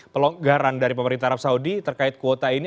pelonggaran dari pemerintah arab saudi terkait kuota ini